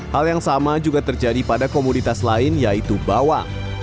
hal yang sama juga terjadi pada komoditas lain yaitu bawang